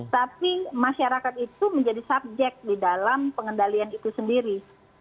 tapi masyarakat itu menjadi subjek di dalam pengendalian itu sendiri